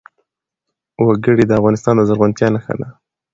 وګړي د افغانستان د زرغونتیا نښه ده.